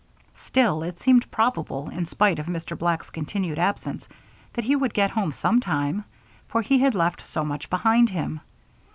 Still, it seemed probable, in spite of Mr. Black's continued absence, that he would get home some time, for he had left so much behind him.